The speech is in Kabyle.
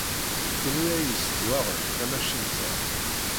D kenwi ay isettwaɣen tamacint-a.